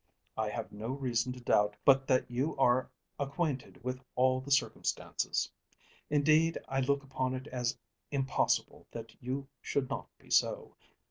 I have no reason to doubt but that you are acquainted with all the circumstances. Indeed I look upon it as impossible that you should not be so.